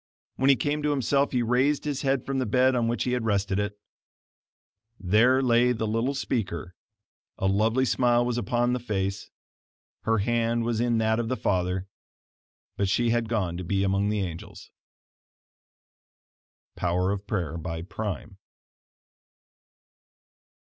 When he came to himself he raised his head from the bed on which he had rested it; there lay the little speaker, a lovely smile was upon the face, her hand was in that of the father, but she had gone to be among the angels. Power of Prayer by Prime.